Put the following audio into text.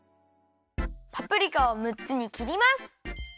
パプリカをむっつに切ります。